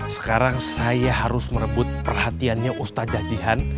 sekarang saya harus merebut perhatiannya ustazah jihan